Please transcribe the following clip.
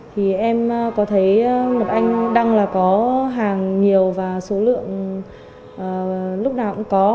thì em có thấy một anh đăng là có hàng nhiều và số lượng lúc nào cũng có